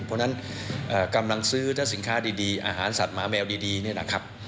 เพราะฉะนั้นกำลังซื้อถ้าสินค้าดีอาหารสัตว์หมาแมวดีเนี่ยนะครับ